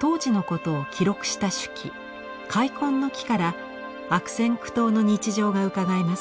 当時のことを記録した手記「開墾の記」から悪戦苦闘の日常がうかがえます。